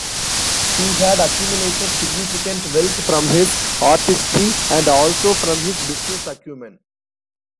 He had accumulated significant wealth from his artistry and also from his business acumen.